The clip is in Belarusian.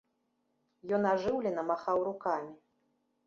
Ён ажыўлена махаў рукамі.